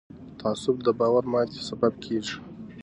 تعصب د باور ماتې سبب کېږي